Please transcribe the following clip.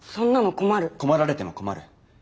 困られても困る。